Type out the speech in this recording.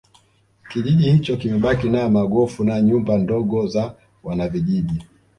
Kijiji hicho kimebaki na magofu na nyumba ndogo za wanavijiji